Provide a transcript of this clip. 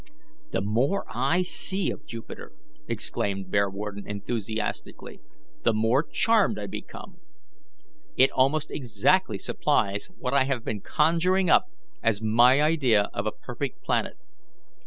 "The more I see of Jupiter," exclaimed Bearwarden enthusiastically, "the more charmed I become. It almost exactly supplies what I have been conjuring up as my idea of a perfect planet.